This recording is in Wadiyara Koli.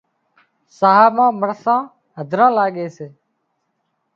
ساهَه مان مرسان هڌران لاڳي سي